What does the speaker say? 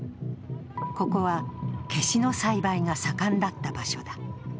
ここは、ケシの栽培が盛んだった場所だ。